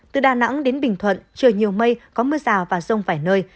từ đà nẵng đến bình thuận trời nhiều mây có mưa rào và rông vài nơi